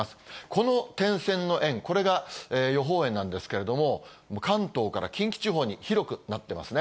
この点線の円、これが予報円なんですけれども、関東から近畿地方に広くなってますね。